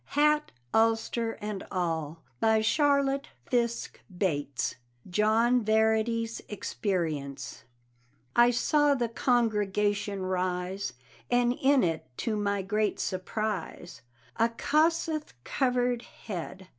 HAT, ULSTER AND ALL. BY CHARLOTTE FISKE BATES. John Verity's Experience. I saw the congregation rise, And in it, to my great surprise, A Kossuth covered head.